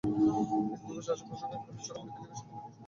এক দিবস রাজা প্রসঙ্গক্রমে চূড়ামণিকে জিজ্ঞাসিলেন শুক তুমি কী কী জান?